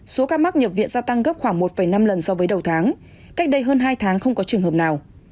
số ca mắc nhập viện gia tăng gấp khoảng một năm lần so với đầu tháng cách đây hơn hai tháng không có trường hợp nào